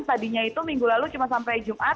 tadinya itu minggu lalu cuma sampai jumat